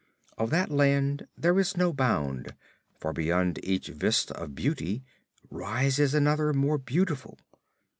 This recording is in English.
Of that land there is no bound, for beyond each vista of beauty rises another more beautiful.